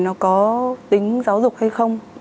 nó có tính giáo dục hay không